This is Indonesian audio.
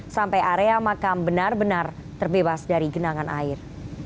sampai area makam benar benar terbebas dari genangan air